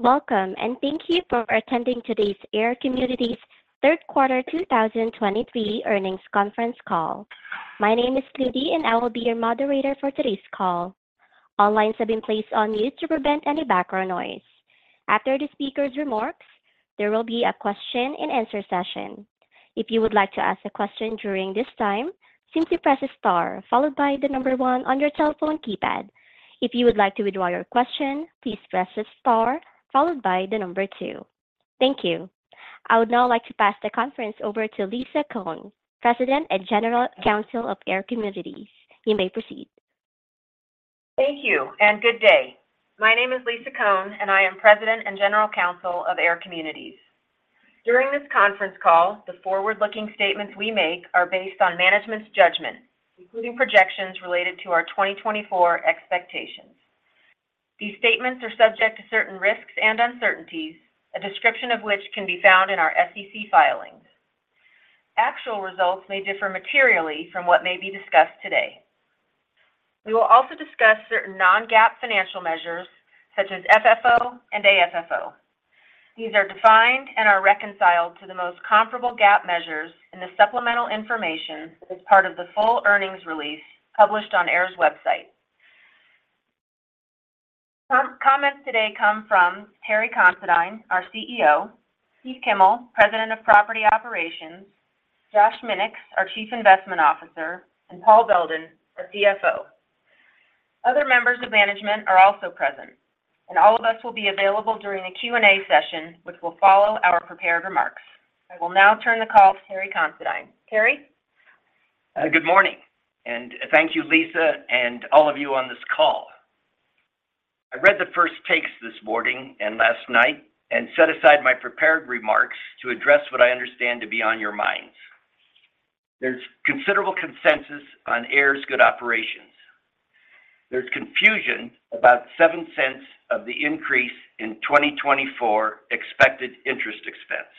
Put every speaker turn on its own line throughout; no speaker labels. Welcome, and thank you for attending today's AIR Communities Third Quarter 2023 Earnings Conference call. My name is Claudy, and I will be your moderator for today's call. All lines have been placed on mute to prevent any background noise. After the speaker's remarks, there will be a question-and-answer session. If you would like to ask a question during this time, simply press the star followed by the number one on your telephone keypad. If you would like to withdraw your question, please press the star followed by the number two. Thank you. I would now like to pass the conference over to Lisa Cohn, President and General Counsel of AIR Communities. You may proceed.
Thank you, and good day. My name is Lisa Cohn, and I am President and General Counsel of AIR Communities. During this conference call, the forward-looking statements we make are based on management's judgment, including projections related to our 2024 expectations. These statements are subject to certain risks and uncertainties, a description of which can be found in our SEC filings. Actual results may differ materially from what may be discussed today. We will also discuss certain non-GAAP financial measures, such as FFO and AFFO. These are defined and are reconciled to the most comparable GAAP measures in the supplemental information as part of the full earnings release published on AIR's website. Comments today come from Terry Considine, our CEO, Keith Kimmel, President of Property Operations, Josh Minix, our Chief Investment Officer, and Paul Beldin, our CFO. Other members of management are also present, and all of us will be available during a Q&A session which will follow our prepared remarks. I will now turn the call to Terry Considine. Terry?
Good morning, and thank you, Lisa, and all of you on this call. I read the first takes this morning and last night and set aside my prepared remarks to address what I understand to be on your minds. There's considerable consensus on AIR's good operations. There's confusion about $0.07 of the increase in 2024 expected interest expense.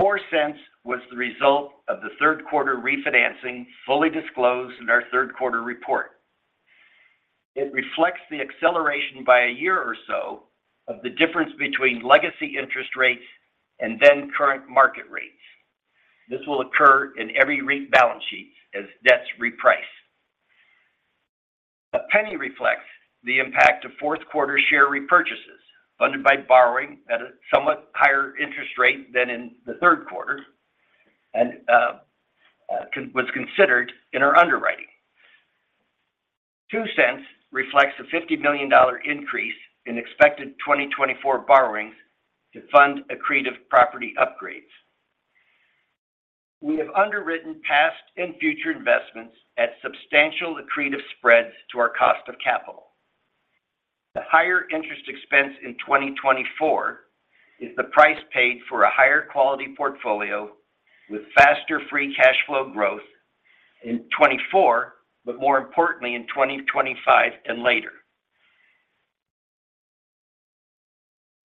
$0.04 was the result of the third quarter refinancing fully disclosed in our third quarter report. It reflects the acceleration by a year or so of the difference between legacy interest rates and then current market rates. This will occur in every REIT balance sheet as debts reprice. $0.01 reflects the impact of fourth quarter share repurchases funded by borrowing at a somewhat higher interest rate than in the third quarter and was considered in our underwriting. $0.02 reflects a $50 million increase in expected 2024 borrowings to fund accretive property upgrades. We have underwritten past and future investments at substantial accretive spreads to our cost of capital. The higher interest expense in 2024 is the price paid for a higher quality portfolio with faster free cash flow growth in 2024, but more importantly, in 2025 and later.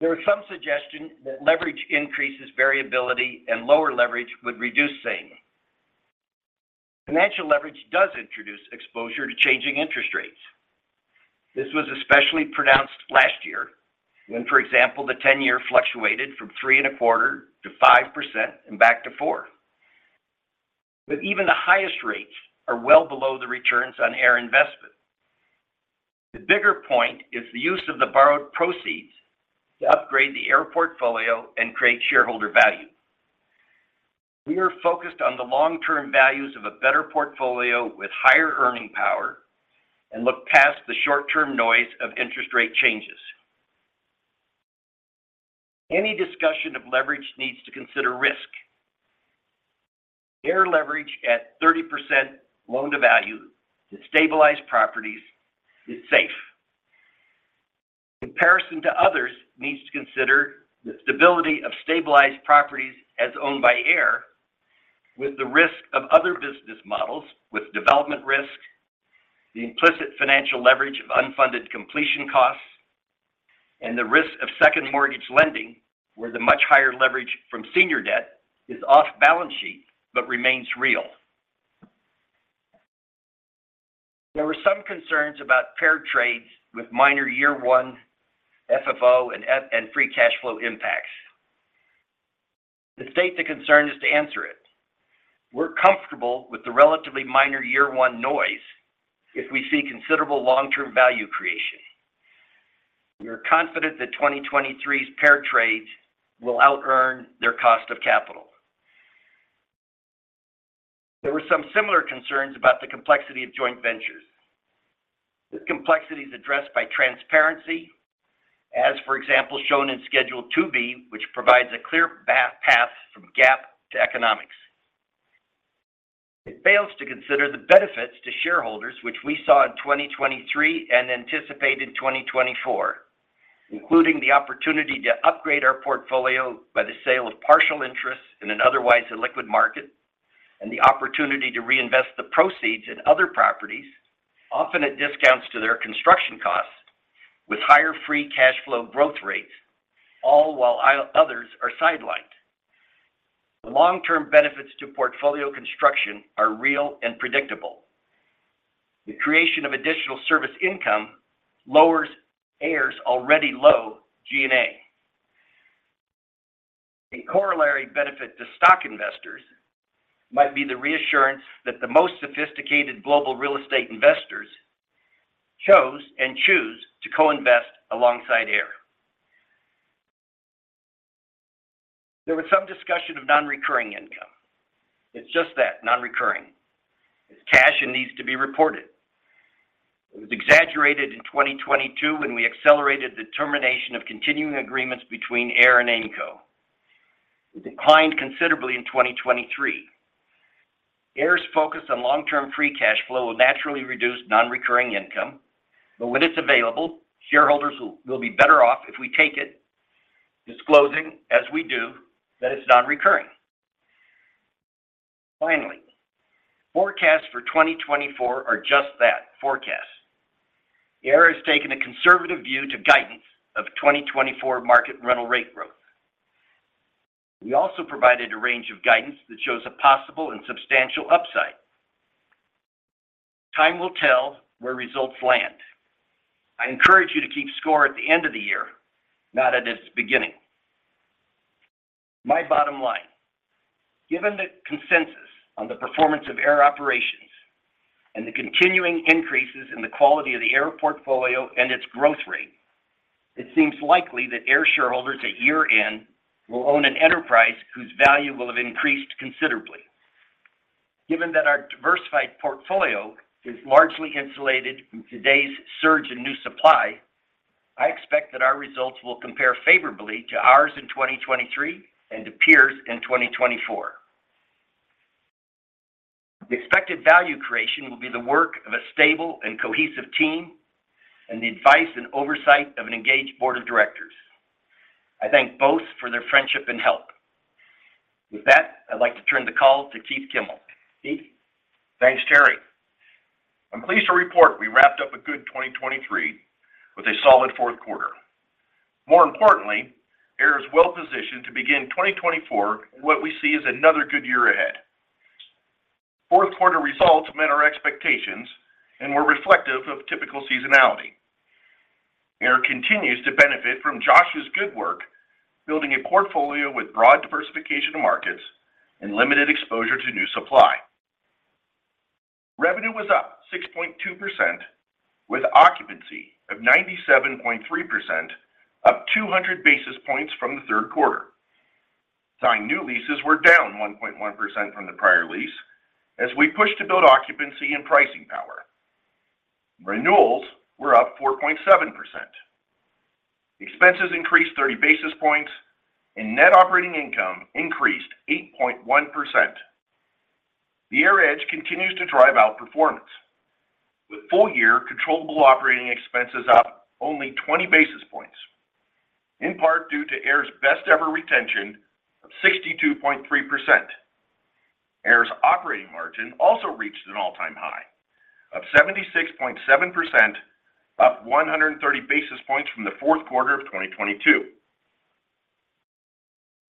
There was some suggestion that leverage increases variability and lower leverage would reduce same. Financial leverage does introduce exposure to changing interest rates. This was especially pronounced last year when, for example, the 10-year fluctuated from 3.25% to 5% and back to 4%. But even the highest rates are well below the returns on AIR investment. The bigger point is the use of the borrowed proceeds to upgrade the AIR portfolio and create shareholder value. We are focused on the long-term values of a better portfolio with higher earning power and look past the short-term noise of interest rate changes. Any discussion of leverage needs to consider risk. AIR leverage at 30% loan-to-value to stabilize properties is safe. Comparison to others needs to consider the stability of stabilized properties as owned by AIR with the risk of other business models, with development risk, the implicit financial leverage of unfunded completion costs, and the risk of second mortgage lending where the much higher leverage from senior debt is off balance sheet but remains real. There were some concerns about paired trades with minor year one FFO and free cash flow impacts. To state the concern, is to answer it. We're comfortable with the relatively minor year one noise if we see considerable long-term value creation. We are confident that 2023's paired trades will out-earn their cost of capital. There were some similar concerns about the complexity of joint ventures. This complexity is addressed by transparency, as, for example, shown in Schedule 2B, which provides a clear path from GAAP to economics. It fails to consider the benefits to shareholders, which we saw in 2023 and anticipate in 2024, including the opportunity to upgrade our portfolio by the sale of partial interests in an otherwise illiquid market and the opportunity to reinvest the proceeds in other properties, often at discounts to their construction costs, with higher free cash flow growth rates, all while others are sidelined. The long-term benefits to portfolio construction are real and predictable. The creation of additional service income lowers AIR's already low G&A. A corollary benefit to stock investors might be the reassurance that the most sophisticated global real estate investors chose and choose to co-invest alongside AIR. There was some discussion of non-recurring income. It's just that, non-recurring. It's cash and needs to be reported. It was exaggerated in 2022 when we accelerated the termination of continuing agreements between AIR and Aimco. It declined considerably in 2023. AIR's focus on long-term free cash flow will naturally reduce non-recurring income. But when it's available, shareholders will be better off if we take it, disclosing, as we do, that it's non-recurring. Finally, forecasts for 2024 are just that, forecasts. AIR has taken a conservative view to guidance of 2024 market rental rate growth. We also provided a range of guidance that shows a possible and substantial upside. Time will tell where results land. I encourage you to keep score at the end of the year, not at its beginning. My bottom line: Given the consensus on the performance of AIR operations and the continuing increases in the quality of the AIR portfolio and its growth rate, it seems likely that AIR shareholders at year end will own an enterprise whose value will have increased considerably. Given that our diversified portfolio is largely insulated from today's surge in new supply, I expect that our results will compare favorably to ours in 2023 and to peers in 2024. The expected value creation will be the work of a stable and cohesive team and the advice and oversight of an engaged board of directors. I thank both for their friendship and help. With that, I'd like to turn the call to Keith Kimmel. Keith?
Thanks, Terry. I'm pleased to report we wrapped up a good 2023 with a solid fourth quarter. More importantly, AIR is well positioned to begin 2024 in what we see as another good year ahead. Fourth quarter results met our expectations and were reflective of typical seasonality. AIR continues to benefit from Joshua's good work building a portfolio with broad diversification of markets and limited exposure to new supply. Revenue was up 6.2%, with occupancy of 97.3%, up 200 basis points from the third quarter. Signed new leases were down 1.1% from the prior lease as we pushed to build occupancy and pricing power. Renewals were up 4.7%. Expenses increased 30 basis points, and net operating income increased 8.1%. The AIR Edge continues to drive outperformance, with full-year controllable operating expenses up only 20 basis points, in part due to AIR's best-ever retention of 62.3%. AIR's operating margin also reached an all-time high of 76.7%, up 130 basis points from the fourth quarter of 2022.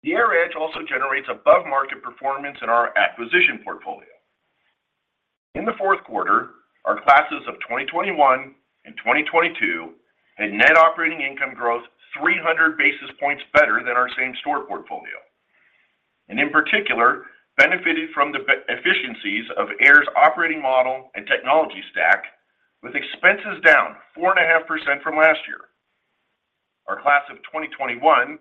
The AIR Edge also generates above-market performance in our acquisition portfolio. In the fourth quarter, our classes of 2021 and 2022 had net operating income growth 300 basis points better than our Same Store portfolio and, in particular, benefited from the efficiencies of AIR's operating model and technology stack, with expenses down 4.5% from last year. Our class of 2021,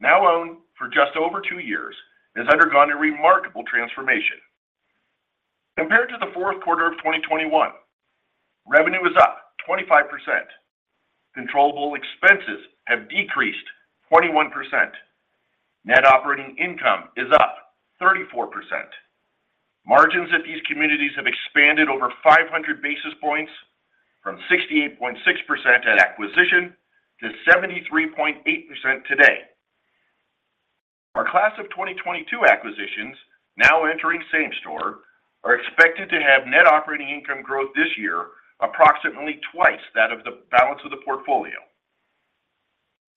now owned for just over two years, has undergone a remarkable transformation. Compared to the fourth quarter of 2021, revenue is up 25%. Controllable expenses have decreased 21%. Net operating income is up 34%. Margins at these communities have expanded over 500 basis points, from 68.6% at acquisition to 73.8% today. Our class of 2022 acquisitions, now entering Same Store, are expected to have net operating income growth this year approximately twice that of the balance of the portfolio.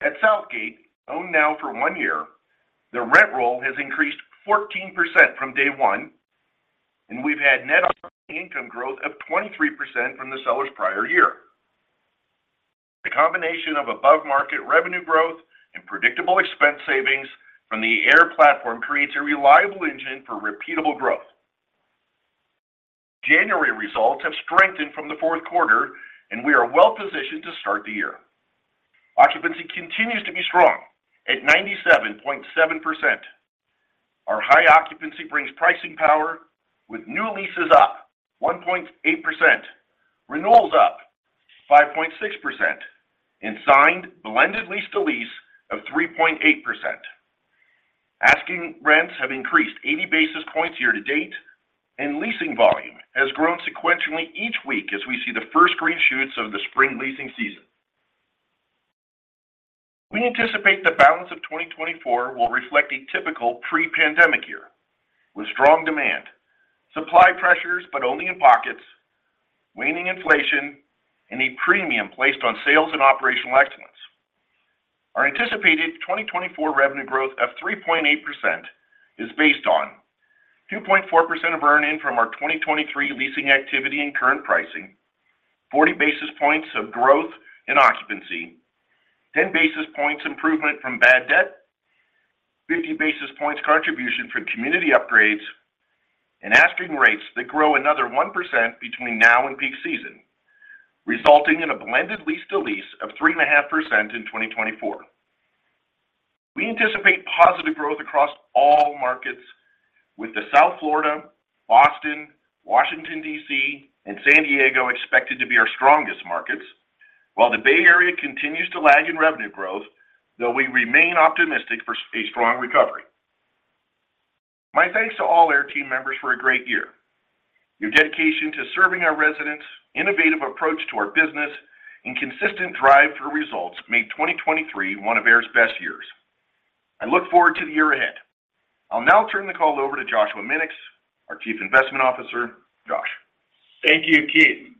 At Southgate, owned now for one year, the rent roll has increased 14% from day one, and we've had net operating income growth of 23% from the seller's prior year. The combination of above-market revenue growth and predictable expense savings from the AIR platform creates a reliable engine for repeatable growth. January results have strengthened from the fourth quarter, and we are well positioned to start the year. Occupancy continues to be strong at 97.7%. Our high occupancy brings pricing power, with new leases up 1.8%, renewals up 5.6%, and signed blended lease-to-lease of 3.8%. Asking rents have increased 80 basis points year to date, and leasing volume has grown sequentially each week as we see the first green shoots of the spring leasing season. We anticipate the balance of 2024 will reflect a typical pre-pandemic year, with strong demand, supply pressures but only in pockets, waning inflation, and a premium placed on sales and operational excellence. Our anticipated 2024 revenue growth of 3.8% is based on 2.4% of earn-in from our 2023 leasing activity and current pricing, 40 basis points of growth in occupancy, 10 basis points improvement from bad debt, 50 basis points contribution for community upgrades, and asking rates that grow another 1% between now and peak season, resulting in a blended lease-to-lease of 3.5% in 2024. We anticipate positive growth across all markets, with the South Florida, Boston, Washington, D.C., and San Diego expected to be our strongest markets, while the Bay Area continues to lag in revenue growth, though we remain optimistic for a strong recovery. My thanks to all AIR team members for a great year. Your dedication to serving our residents, innovative approach to our business, and consistent drive for results made 2023 one of AIR's best years. I look forward to the year ahead. I'll now turn the call over to Joshua Minix, our Chief Investment Officer. Josh.
Thank you, Keith.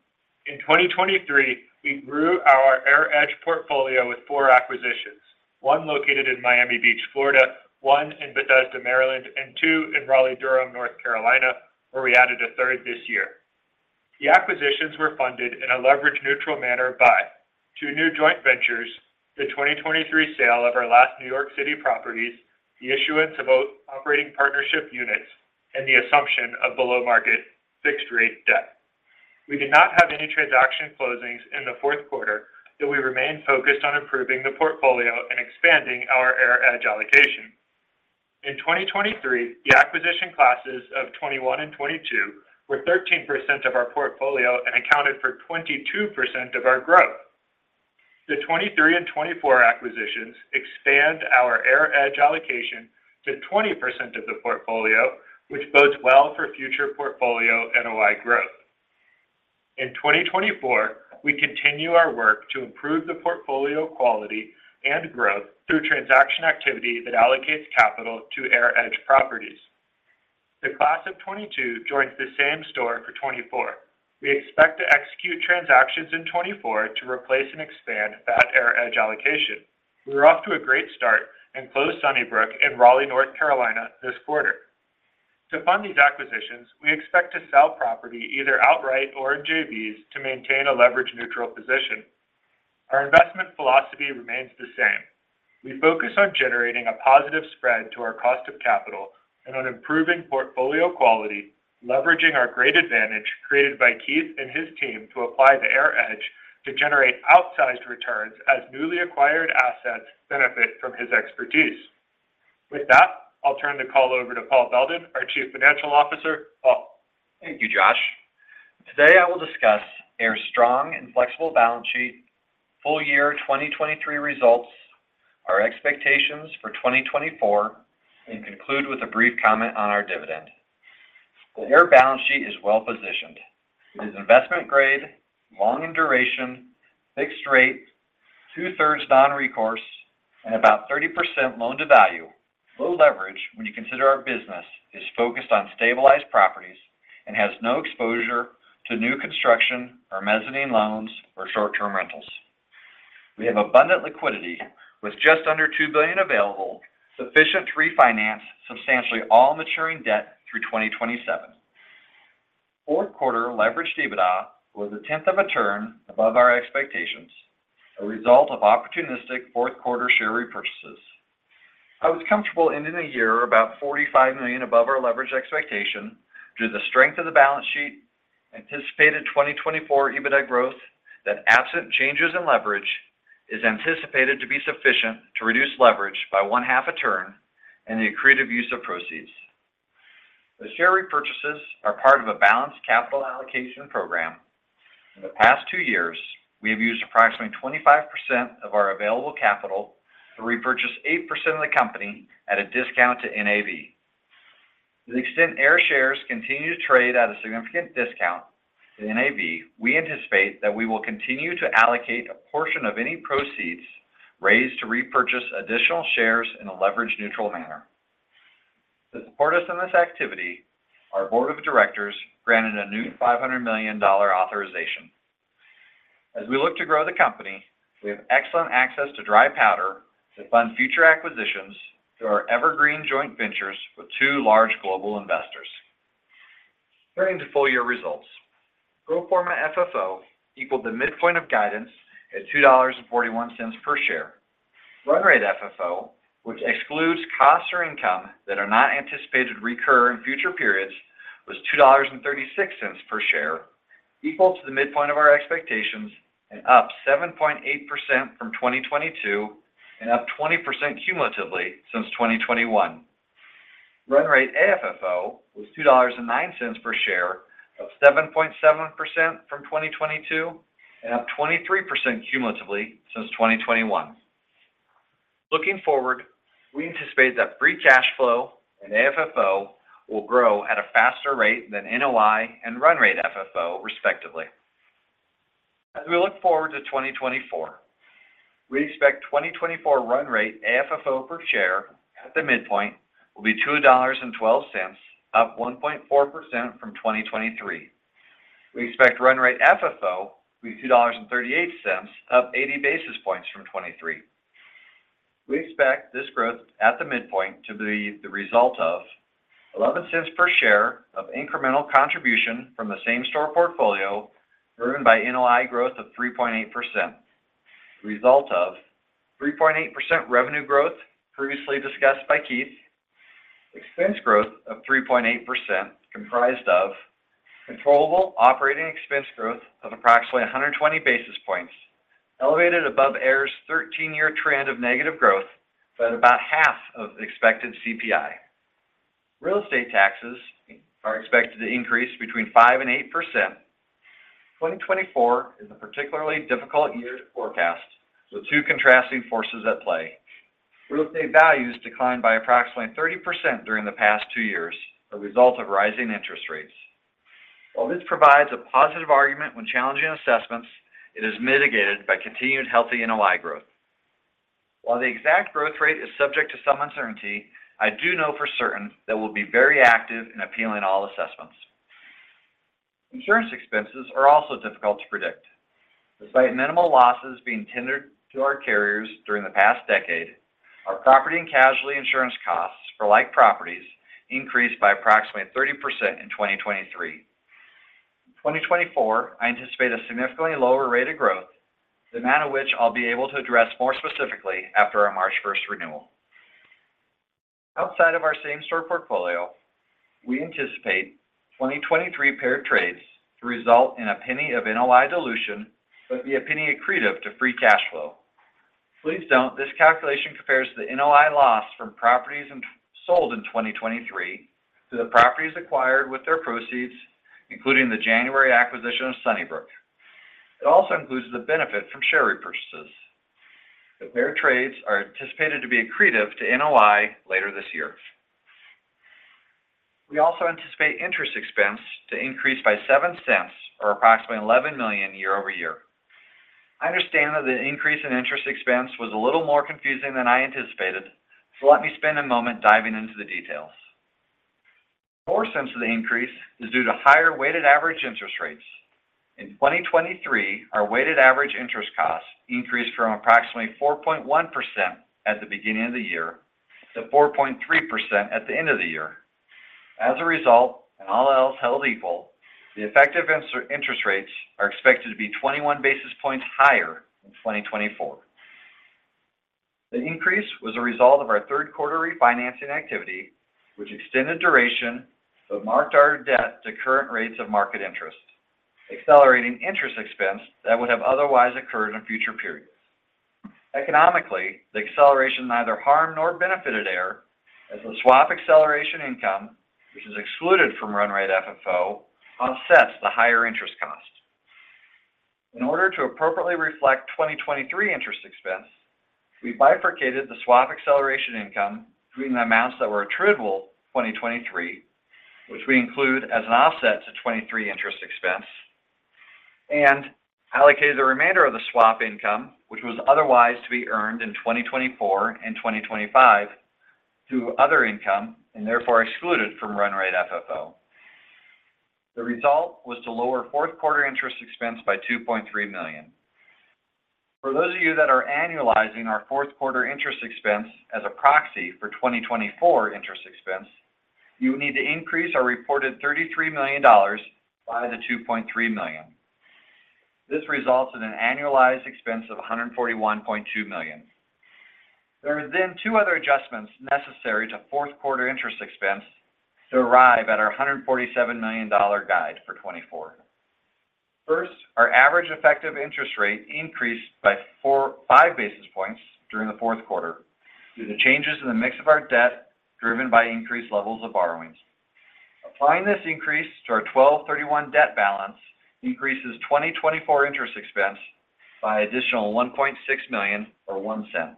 In 2023, we grew our AIR Edge portfolio with four acquisitions, one located in Miami Beach, Florida, one in Bethesda, Maryland, and two in Raleigh-Durham, North Carolina, where we added a third this year. The acquisitions were funded in a leverage-neutral manner by: two new joint ventures, the 2023 sale of our last New York City properties, the issuance of operating partnership units, and the assumption of below-market fixed-rate debt. We did not have any transaction closings in the fourth quarter, though we remained focused on improving the portfolio and expanding our AIR Edge allocation. In 2023, the acquisition classes of 2021 and 2022 were 13% of our portfolio and accounted for 22% of our growth. The 2023 and 2024 acquisitions expand our AIR Edge allocation to 20% of the portfolio, which bodes well for future portfolio NOI growth. In 2024, we continue our work to improve the portfolio quality and growth through transaction activity that allocates capital to AIR Edge properties. The class of 2022 joins the Same Store for 2024. We expect to execute transactions in 2024 to replace and expand that AIR Edge allocation. We were off to a great start and closed Sunnybrook in Raleigh, North Carolina, this quarter. To fund these acquisitions, we expect to sell property either outright or in JVs to maintain a leverage-neutral position. Our investment philosophy remains the same. We focus on generating a positive spread to our cost of capital and on improving portfolio quality, leveraging our great advantage created by Keith and his team to apply the AIR Edge to generate outsized returns as newly acquired assets benefit from his expertise. With that, I'll turn the call over to Paul Beldin, our Chief Financial Officer. Paul.
Thank you, Josh. Today, I will discuss AIR's strong and flexible balance sheet, full-year 2023 results, our expectations for 2024, and conclude with a brief comment on our dividend. The AIR balance sheet is well positioned. It is investment grade, long in duration, fixed rate, two-thirds non-recourse, and about 30% loan-to-value, low leverage when you consider our business is focused on stabilized properties and has no exposure to new construction or mezzanine loans or short-term rentals. We have abundant liquidity with just under $2 billion available, sufficient to refinance substantially all maturing debt through 2027. Fourth quarter Leverage to EBITDA was a tenth of a turn above our expectations, a result of opportunistic fourth quarter share repurchases. I was comfortable ending the year about $45 million above our leverage expectation due to the strength of the balance sheet, anticipated 2024 EBITDA growth, that absent changes in leverage is anticipated to be sufficient to reduce leverage by half a turn and the accretive use of proceeds. The share repurchases are part of a balanced capital allocation program. In the past two years, we have used approximately 25% of our available capital to repurchase 8% of the company at a discount to NAV. To the extent AIR shares continue to trade at a significant discount to NAV, we anticipate that we will continue to allocate a portion of any proceeds raised to repurchase additional shares in a leverage-neutral manner. To support us in this activity, our board of directors granted a new $500 million authorization. As we look to grow the company, we have excellent access to dry powder to fund future acquisitions through our evergreen joint ventures with two large global investors. Turning to full-year results. Core FFO equaled the midpoint of guidance at $2.41 per share. Run Rate FFO, which excludes costs or income that are not anticipated to recur in future periods, was $2.36 per share, equal to the midpoint of our expectations and up 7.8% from 2022 and up 20% cumulatively since 2021. Run Rate AFFO was $2.09 per share, up 7.7% from 2022 and up 23% cumulatively since 2021. Looking forward, we anticipate that free cash flow and AFFO will grow at a faster rate than NOI and Run Rate FFO, respectively. As we look forward to 2024, we expect 2024 Run Rate AFFO per share at the midpoint will be $2.12, up 1.4% from 2023. We expect Run Rate FFO to be $2.38, up 80 basis points from 2023. We expect this growth at the midpoint to be the result of: $0.11 per share of incremental contribution from the Same Store portfolio, driven by NOI growth of 3.8%. Result of: 3.8% revenue growth previously discussed by Keith. Expense growth of 3.8% comprised of: controllable operating expense growth of approximately 120 basis points, elevated above AIR's 13-year trend of negative growth by about half of expected CPI. Real estate taxes are expected to increase between 5% and 8%. 2024 is a particularly difficult year to forecast, with two contrasting forces at play. Real estate values declined by approximately 30% during the past two years as a result of rising interest rates. While this provides a positive argument when challenging assessments, it is mitigated by continued healthy NOI growth. While the exact growth rate is subject to some uncertainty, I do know for certain that we'll be very active in appealing all assessments. Insurance expenses are also difficult to predict. Despite minimal losses being tendered to our carriers during the past decade, our property and casualty insurance costs for like properties increased by approximately 30% in 2023. In 2024, I anticipate a significantly lower rate of growth, the amount of which I'll be able to address more specifically after our March 1st renewal. Outside of our same-store portfolio, we anticipate 2023 paired trades to result in $0.01 of NOI dilution but be $0.01 accretive to free cash flow. Please note, this calculation compares the NOI loss from properties sold in 2023 to the properties acquired with their proceeds, including the January acquisition of Sunnybrook. It also includes the benefit from share repurchases. The paired trades are anticipated to be accretive to NOI later this year. We also anticipate interest expense to increase by $0.07 or approximately $11 million year-over-year. I understand that the increase in interest expense was a little more confusing than I anticipated, so let me spend a moment diving into the details. $0.04 of the increase is due to higher weighted average interest rates. In 2023, our weighted average interest costs increased from approximately 4.1% at the beginning of the year to 4.3% at the end of the year. As a result, and all else held equal, the effective interest rates are expected to be 21 basis points higher in 2024. The increase was a result of our third quarter refinancing activity, which extended duration but marked our debt to current rates of market interest, accelerating interest expense that would have otherwise occurred in future periods. Economically, the acceleration neither harmed nor benefited AIR, as the swap acceleration income, which is excluded from Run Rate FFO, offsets the higher interest cost. In order to appropriately reflect 2023 interest expense, we bifurcated the swap acceleration income between the amounts that were attributable to 2023, which we include as an offset to 2023 interest expense, and allocated the remainder of the swap income, which was otherwise to be earned in 2024 and 2025, to other income and therefore excluded from Run Rate FFO. The result was to lower fourth quarter interest expense by $2.3 million. For those of you that are annualizing our fourth quarter interest expense as a proxy for 2024 interest expense, you would need to increase our reported $33 million by the $2.3 million. This results in an annualized expense of $141.2 million. There are then two other adjustments necessary to fourth quarter interest expense to arrive at our $147 million guide for 2024. First, our average effective interest rate increased by 5 basis points during the fourth quarter due to changes in the mix of our debt driven by increased levels of borrowings. Applying this increase to our 12/31 debt balance increases 2024 interest expense by an additional $1.6 million or $0.01.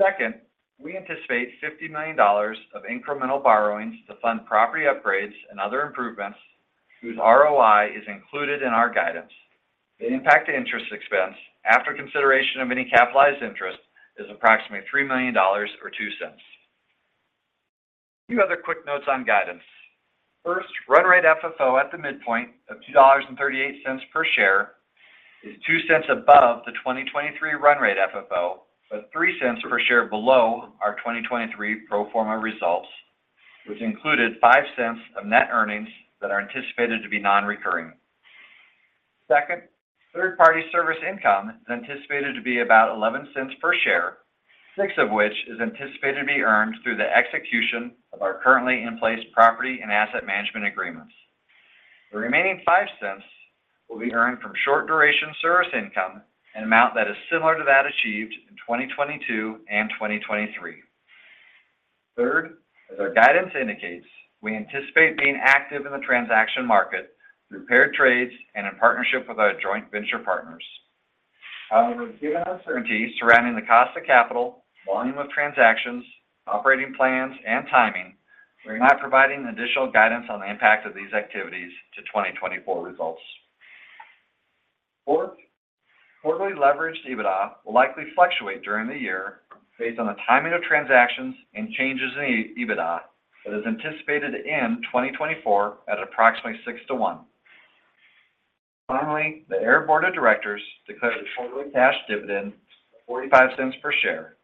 Second, we anticipate $50 million of incremental borrowings to fund property upgrades and other improvements whose ROI is included in our guidance. The impact to interest expense after consideration of any capitalized interest is approximately $3 million or $0.02. A few other quick notes on guidance. First, Run Rate FFO at the midpoint of $2.38 per share is $0.02 above the 2023 Run Rate FFO but $0.03 per share below our 2023 Pro Forma results, which included $0.05 of net earnings that are anticipated to be non-recurring. Second, third-party service income is anticipated to be about $0.11 per share, $0.06 of which is anticipated to be earned through the execution of our currently in place property and asset management agreements. The remaining $0.05 will be earned from short-duration service income and an amount that is similar to that achieved in 2022 and 2023. Third, as our guidance indicates, we anticipate being active in the transaction market through paired trades and in partnership with our joint venture partners. However, given uncertainty surrounding the cost of capital, volume of transactions, operating plans, and timing, we are not providing additional guidance on the impact of these activities to 2024 results. Fourth, quarterly leveraged EBITDA will likely fluctuate during the year based on the timing of transactions and changes in EBITDA that is anticipated to end 2024 at approximately 6:1. Finally, the AIR Board of Directors declared a quarterly cash dividend of $0.45 per share.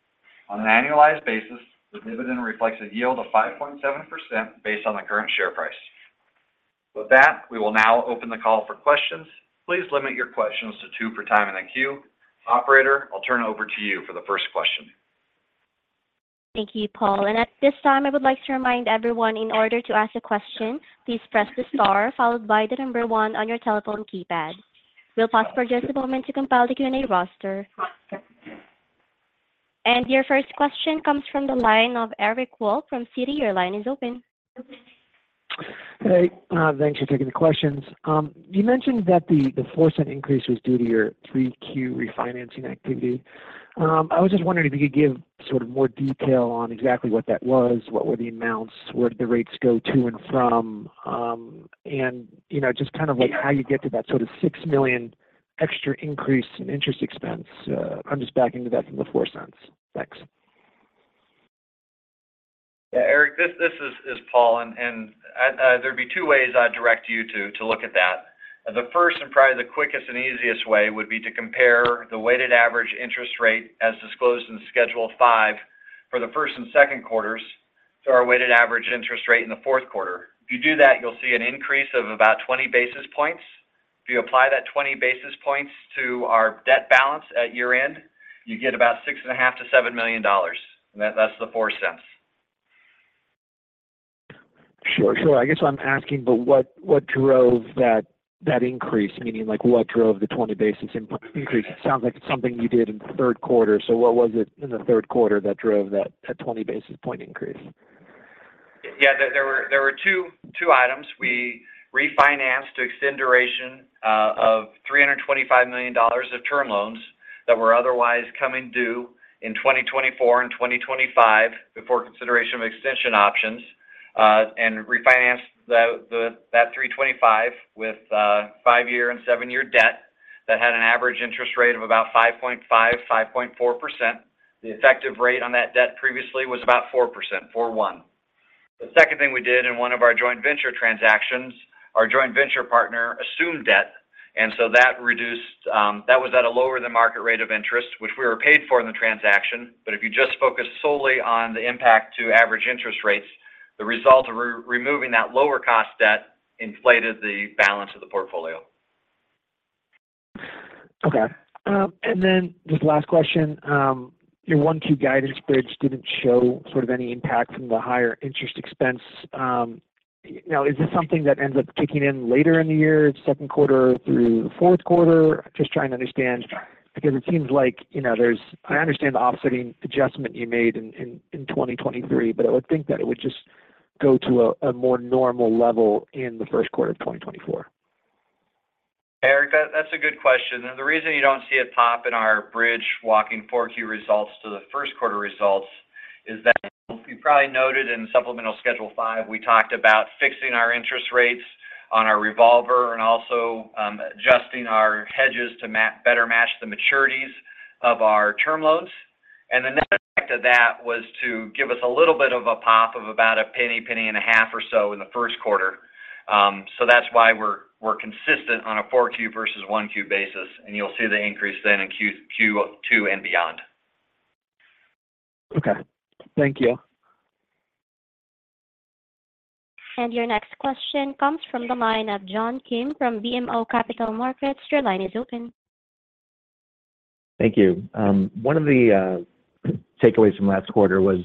On an annualized basis, the dividend reflects a yield of 5.7% based on the current share price. With that, we will now open the call for questions. Please limit your questions to two per time in the queue. Operator, I'll turn it over to you for the first question.
Thank you, Paul. And at this time, I would like to remind everyone, in order to ask a question, please press the star followed by the number one on your telephone keypad. We'll pause for just a moment to compile the Q&A roster. And your first question comes from the line of Eric Wolfe from Citi. Your line is open.
Hey. Thanks for taking the questions. You mentioned that the $0.04 increase was due to your 3Q refinancing activity. I was just wondering if you could give sort of more detail on exactly what that was, what were the amounts, where did the rates go to and from, and just kind of how you get to that sort of $6 million extra increase in interest expense. I'm just backing into that from the $0.04. Thanks.
Yeah, Eric, this is Paul. There'd be two ways I'd direct you to look at that. The first and probably the quickest and easiest way would be to compare the weighted average interest rate, as disclosed in Schedule 5, for the first and second quarters to our weighted average interest rate in the fourth quarter. If you do that, you'll see an increase of about 20 basis points. If you apply that 20 basis points to our debt balance at year-end, you get about $6.5 million-$7 million. And that's the $0.04.
Sure. Sure. I guess I'm asking, but what drove that increase? Meaning, what drove the 20 basis points increase? It sounds like it's something you did in the third quarter. So what was it in the third quarter that drove that 20 basis points increase?
Yeah. There were two items. We refinanced to extend duration of $325 million of term loans that were otherwise coming due in 2024 and 2025 before consideration of extension options and refinanced that 325 with five-year and seven-year debt that had an average interest rate of about 5.5%-5.4%. The effective rate on that debt previously was about 4%-4.1%. The second thing we did in one of our joint venture transactions, our joint venture partner assumed debt, and so that was at a lower-than-market rate of interest, which we were paid for in the transaction. But if you just focus solely on the impact to average interest rates, the result of removing that lower-cost debt inflated the balance of the portfolio.
Okay. And then just last question. Your 1Q guidance bridge didn't show sort of any impact from the higher interest expense. Now, is this something that ends up kicking in later in the year, second quarter through fourth quarter? Just trying to understand because it seems like there's, I understand the offsetting adjustment you made in 2023, but I would think that it would just go to a more normal level in the first quarter of 2024.
Eric, that's a good question. And the reason you don't see it pop in our bridge walking four-Q results to the first quarter results is that you probably noted in supplemental Schedule 5, we talked about fixing our interest rates on our revolver and also adjusting our hedges to better match the maturities of our term loans. And the net effect of that was to give us a little bit of a pop of about $0.01-$0.015 or so in the first quarter. So that's why we're consistent on a four-Q versus one-Q basis. And you'll see the increase then in Q2 and beyond.
Okay. Thank you.
Your next question comes from the line of John Kim from BMO Capital Markets. Your line is open.
Thank you. One of the takeaways from last quarter was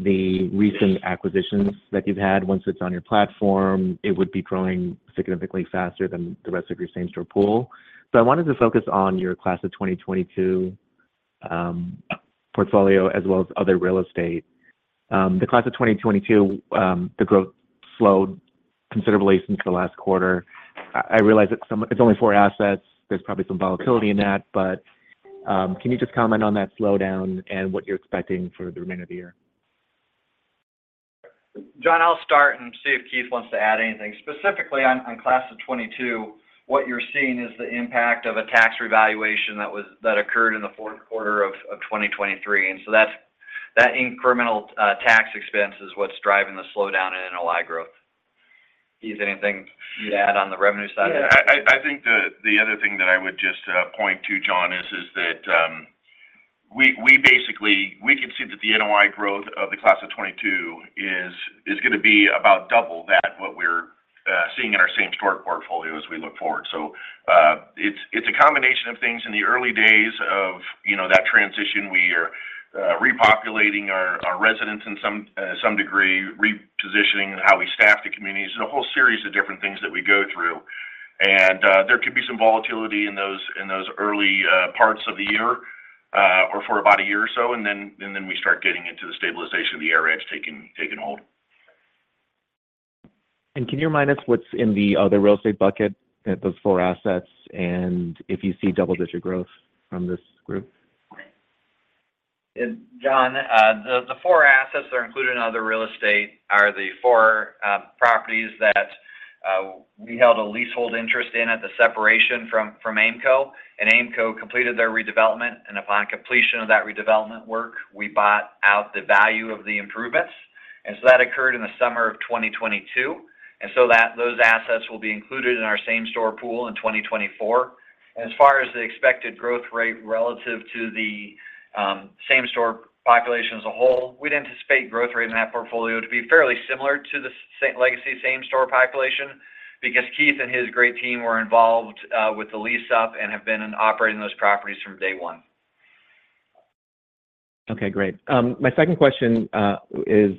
the recent acquisitions that you've had. Once it's on your platform, it would be growing significantly faster than the rest of your same-store pool. So I wanted to focus on your class of 2022 portfolio as well as other real estate. The class of 2022, the growth slowed considerably since the last quarter. I realize it's only four assets. There's probably some volatility in that. But can you just comment on that slowdown and what you're expecting for the remainder of the year?
John, I'll start and see if Keith wants to add anything. Specifically, on class of 2022, what you're seeing is the impact of a tax revaluation that occurred in the fourth quarter of 2023. And so that incremental tax expense is what's driving the slowdown in NOI growth. Keith, anything you'd add on the revenue side of it?
Yeah. I think the other thing that I would just point to, John, is that we basically can see that the NOI growth of the class of 2022 is going to be about double that, what we're seeing in our same-store portfolio as we look forward. So it's a combination of things. In the early days of that transition, we are repopulating our residents in some degree, repositioning how we staff the communities. There's a whole series of different things that we go through. And there could be some volatility in those early parts of the year or for about a year or so, and then we start getting into the stabilization of the AIR Edge taking hold.
Can you remind us what's in the other real estate bucket, those four assets, and if you see double-digit growth from this group?
John, the four assets that are included in other real estate are the four properties that we held a leasehold interest in at the separation from Aimco. Aimco completed their redevelopment. Upon completion of that redevelopment work, we bought out the value of the improvements. So that occurred in the summer of 2022. Those assets will be included in our same-store pool in 2024. As far as the expected growth rate relative to the same-store population as a whole, we'd anticipate growth rate in that portfolio to be fairly similar to the legacy same-store population because Keith and his great team were involved with the lease up and have been operating those properties from day one.
Okay. Great. My second question is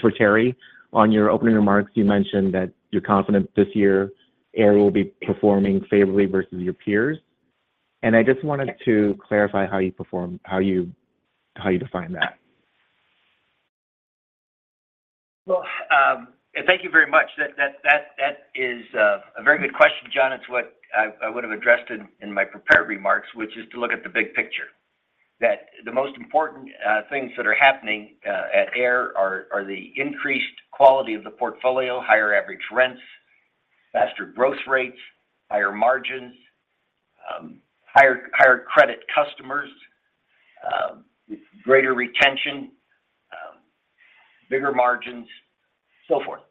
for Terry. On your opening remarks, you mentioned that you're confident this year AIR will be performing favorably versus your peers. And I just wanted to clarify how you define that?
Well, thank you very much. That is a very good question, John. It's what I would have addressed in my prepared remarks, which is to look at the big picture, that the most important things that are happening at AIR are the increased quality of the portfolio, higher average rents, faster growth rates, higher margins, higher credit customers, greater retention, bigger margins, so forth.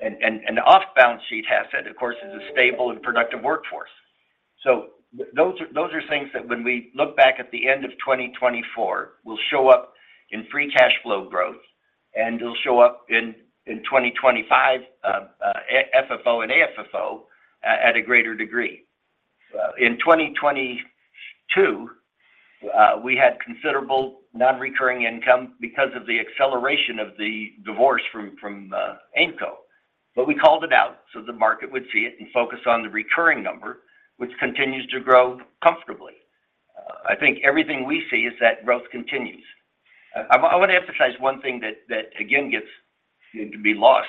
And the off-balance sheet asset, of course, is a stable and productive workforce. So those are things that when we look back at the end of 2024, will show up in free cash flow growth, and it'll show up in 2025 FFO and AFFO at a greater degree. In 2022, we had considerable non-recurring income because of the acceleration of the divorce from Aimco. But we called it out so the market would see it and focus on the recurring number, which continues to grow comfortably. I think everything we see is that growth continues. I want to emphasize one thing that, again, gets to be lost.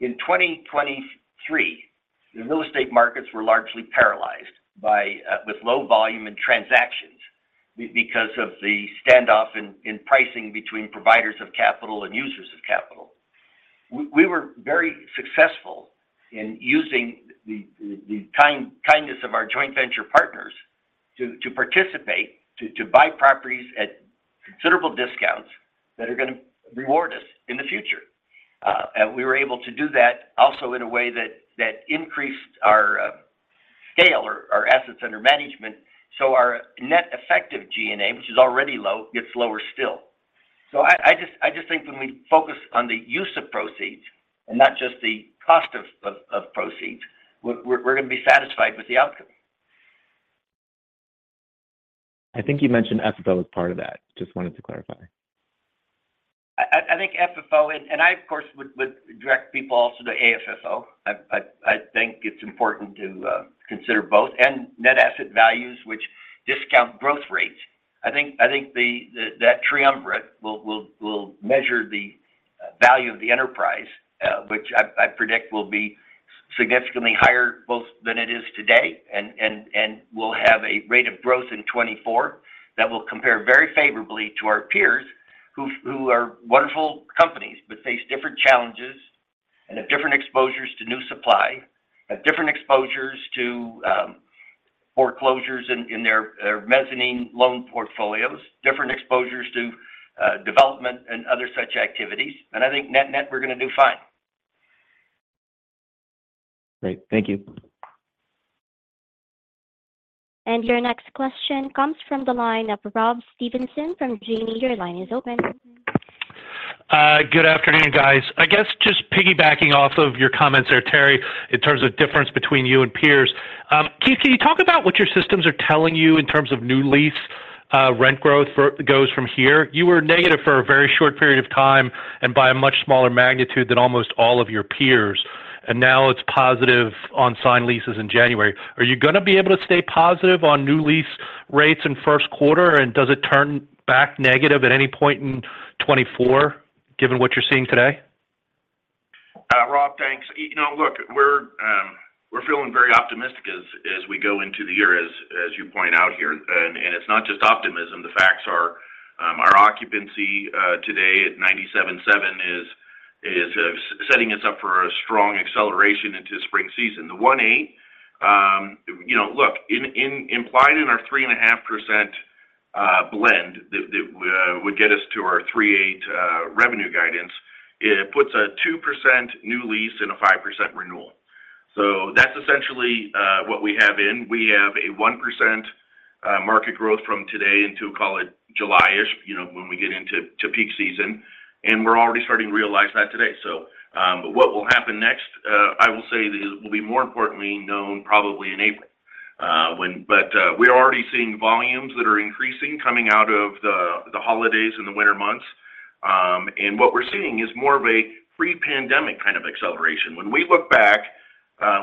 In 2023, the real estate markets were largely paralyzed with low volume and transactions because of the standoff in pricing between providers of capital and users of capital. We were very successful in using the kindness of our joint venture partners to participate, to buy properties at considerable discounts that are going to reward us in the future. And we were able to do that also in a way that increased our scale, our assets under management, so our net effective G&A, which is already low, gets lower still. So I just think when we focus on the use of proceeds and not just the cost of proceeds, we're going to be satisfied with the outcome.
I think you mentioned FFO as part of that. Just wanted to clarify.
I think FFO and I, of course, would direct people also to AFFO. I think it's important to consider both and net asset values, which discount growth rates. I think that triumvirate will measure the value of the enterprise, which I predict will be significantly higher than it is today and will have a rate of growth in 2024 that will compare very favorably to our peers who are wonderful companies but face different challenges and have different exposures to new supply, have different exposures to foreclosures in their mezzanine loan portfolios, different exposures to development and other such activities. And I think net-net, we're going to do fine.
Great. Thank you.
Your next question comes from the line of Rob Stevenson from Janney. Your line is open.
Good afternoon, guys. I guess just piggybacking off of your comments there, Terry, in terms of difference between you and peers. Keith, can you talk about what your systems are telling you in terms of new lease rent growth goes from here? You were negative for a very short period of time and by a much smaller magnitude than almost all of your peers. And now it's positive on signed leases in January. Are you going to be able to stay positive on new lease rates in first quarter, and does it turn back negative at any point in 2024 given what you're seeing today?
Rob, thanks. Look, we're feeling very optimistic as we go into the year, as you point out here. It's not just optimism. The facts are, our occupancy today at 97.7 is setting us up for a strong acceleration into spring season. The 1.8, look, implied in our 3.5% blend that would get us to our 3.8 revenue guidance, it puts a 2% new lease and a 5% renewal. So that's essentially what we have in. We have a 1% market growth from today into, call it, July-ish when we get into peak season. And we're already starting to realize that today. But what will happen next, I will say, will be more importantly known probably in April. But we're already seeing volumes that are increasing coming out of the holidays and the winter months. What we're seeing is more of a pre-pandemic kind of acceleration. When we look back,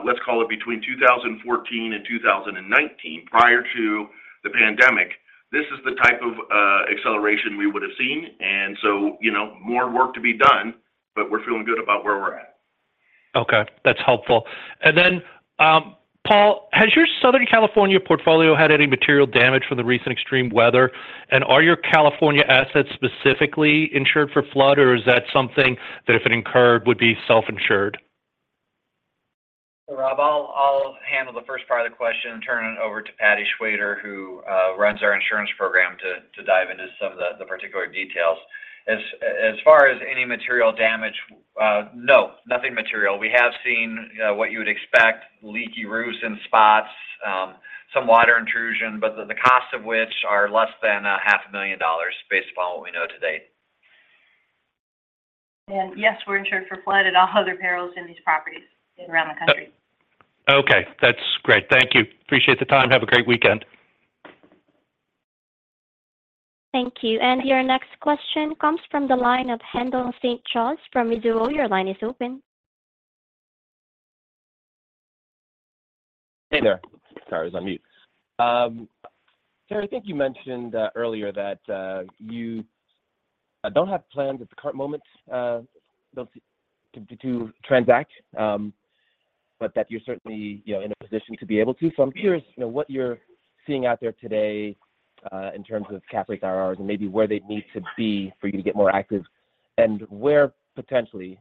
let's call it between 2014 and 2019, prior to the pandemic, this is the type of acceleration we would have seen. So more work to be done, but we're feeling good about where we're at.
Okay. That's helpful. And then, Paul, has your Southern California portfolio had any material damage from the recent extreme weather? And are your California assets specifically insured for flood, or is that something that if it incurred would be self-insured?
Rob, I'll handle the first part of the question and turn it over to Patti Shwayder, who runs our insurance program, to dive into some of the particular details. As far as any material damage, no, nothing material. We have seen what you would expect: leaky roofs and spots, some water intrusion, but the costs of which are less than $500,000 based upon what we know today.
Yes, we're insured for flood and all other perils in these properties around the country.
Okay. That's great. Thank you. Appreciate the time. Have a great weekend.
Thank you. And your next question comes from the line of Haendel St. Juste from Mizuho. Your line is open.
Hey there. Sorry, I was on mute. Terry, I think you mentioned earlier that you don't have plans at the current moment to transact, but that you're certainly in a position to be able to. So I'm curious what you're seeing out there today in terms of cash flows, cap rates, and maybe where they'd need to be for you to get more active. And where potentially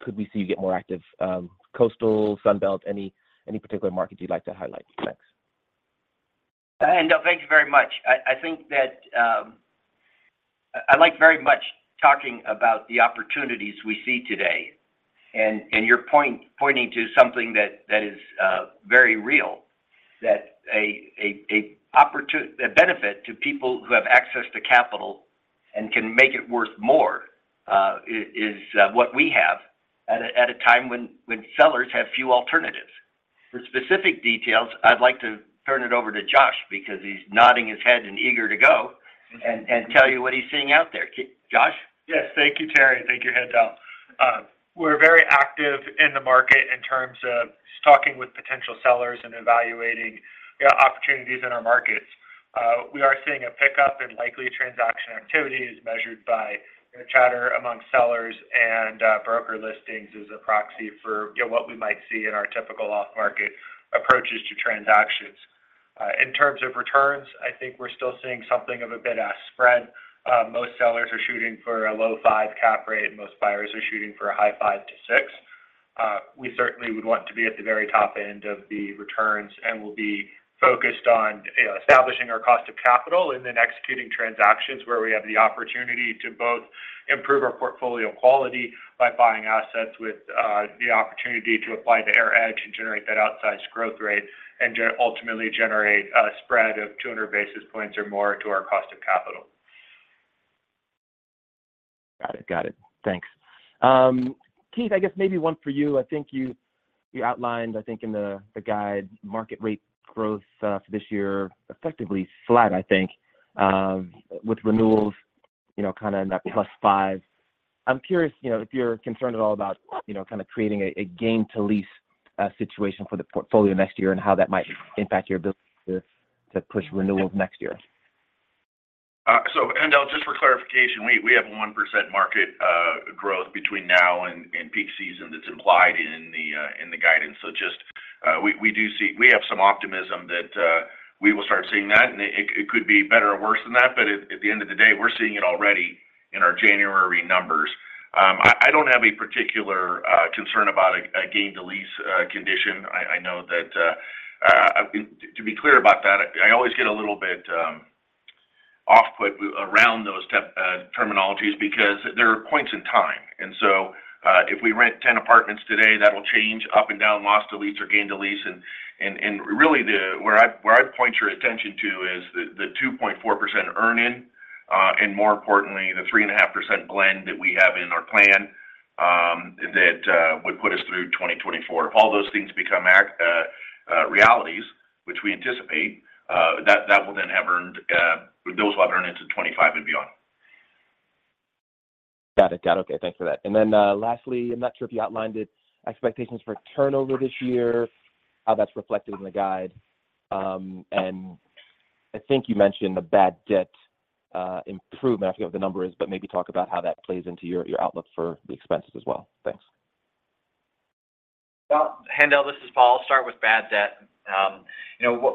could we see you get more active? Coastal, Sunbelt, any particular market you'd like to highlight? Thanks.
No, thank you very much. I think that I like very much talking about the opportunities we see today. You're pointing to something that is very real, that a benefit to people who have access to capital and can make it worth more is what we have at a time when sellers have few alternatives. For specific details, I'd like to turn it over to Josh because he's nodding his head and eager to go and tell you what he's seeing out there. Josh?
Yes. Thank you, Terry. Thank you, Haendel. We're very active in the market in terms of talking with potential sellers and evaluating opportunities in our markets. We are seeing a pickup in likely transaction activity as measured by chatter among sellers, and broker listings as a proxy for what we might see in our typical off-market approaches to transactions. In terms of returns, I think we're still seeing something of a bid-ask spread. Most sellers are shooting for a low five cap rate, and most buyers are shooting for a high five to six. We certainly would want to be at the very top end of the returns and will be focused on establishing our cost of capital and then executing transactions where we have the opportunity to both improve our portfolio quality by buying assets with the opportunity to apply the AIR Edge and generate that outsized growth rate and ultimately generate a spread of 200 basis points or more to our cost of capital.
Got it. Got it. Thanks. Keith, I guess maybe one for you. I think you outlined, I think, in the guide, market rate growth for this year effectively flat, I think, with renewals kind of in that +5%. I'm curious if you're concerned at all about kind of creating a gain-to-lease situation for the portfolio next year and how that might impact your ability to push renewals next year.
So Haendel, just for clarification, we have a 1% market growth between now and peak season that's implied in the guidance. So just we do see we have some optimism that we will start seeing that. And it could be better or worse than that, but at the end of the day, we're seeing it already in our January numbers. I don't have a particular concern about a gain-to-lease condition. I know that to be clear about that, I always get a little bit off-put around those terminologies because there are points in time. And so if we rent 10 apartments today, that'll change up and down, loss-to-lease or gain to lease. And really, where I'd point your attention to is the 2.4% earn-in and, more importantly, the 3.5% blend that we have in our plan that would put us through 2024. If all those things become realities, which we anticipate, that will then have earned those into 2025 and beyond.
Got it. Got it. Okay. Thanks for that. And then lastly, I'm not sure if you outlined it, expectations for turnover this year, how that's reflected in the guide. And I think you mentioned the bad debt improvement. I forget what the number is, but maybe talk about how that plays into your outlook for the expenses as well. Thanks.
Well, Haendel, this is Paul. I'll start with bad debt.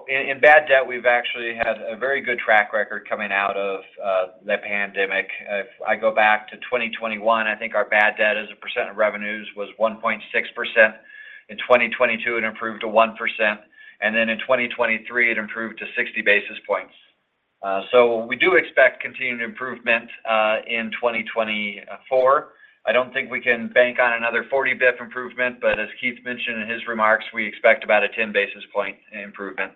In bad debt, we've actually had a very good track record coming out of the pandemic. If I go back to 2021, I think our bad debt as a percent of revenues was 1.6%. In 2022, it improved to 1%. And then in 2023, it improved to 60 basis points. We do expect continued improvement in 2024. I don't think we can bank on another 40 basis point improvement, but as Keith mentioned in his remarks, we expect about a 10 basis point improvement.